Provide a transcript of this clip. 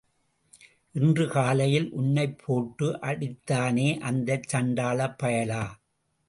இன்று காலையில் உன்னைப் போட்டு அடித்தானே அந்தச் சண்டாளப் பயலா?